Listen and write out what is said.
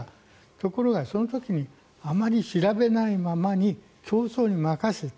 ところが、その時にあまり調べないままに競争に任せた。